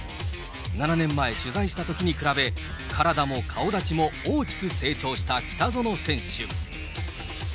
７年前取材したときに比べ、体も顔立ちも大きく成長した北園選手。